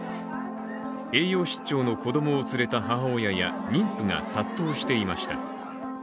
栄養失調の子供を連れた母親や妊婦が殺到していました。